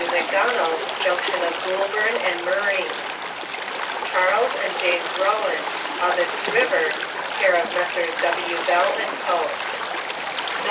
McDonald, Junction of Goulburn and Murray Charles and James Rowan, Ovens River, care of Messrs. W. Bell and Co.